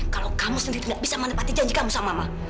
kalau kamu sendiri tidak bisa menepati janji kamu sama mah